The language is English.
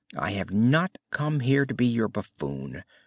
I have not come here to be your buffoon.